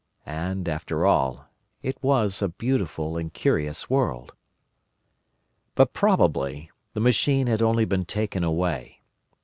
And, after all, it was a beautiful and curious world. "But probably the machine had only been taken away.